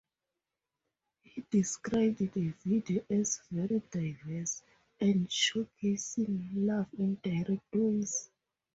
He described the video as "very diverse" and showcasing "love in different ways".